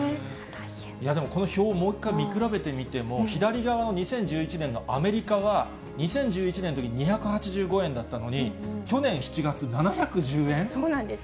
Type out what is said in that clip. いや、でもこの表、もう一回、見比べてみても、左側の２０１１年のアメリカが、２０１１年のときに２８５円だったのに、去年７月、そうなんです。